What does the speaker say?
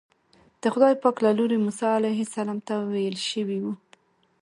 د خدای پاک له لوري موسی علیه السلام ته ویل شوي وو.